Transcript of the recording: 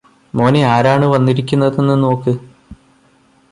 മോനെ ആരാണ് വന്നിരിക്കുന്നതെന്ന് നോക്ക്